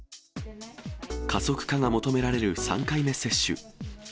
加速化が求められる３回目接種。